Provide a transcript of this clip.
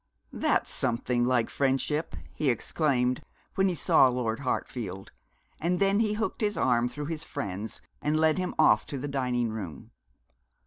'That's something like friendship,' he exclaimed, when he saw Lord Hartfield, and then he hooked his arm through his friend's, and led him off to the dining room.